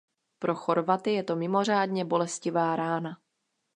Pro Chorvaty je to mimořádně bolestivá rána.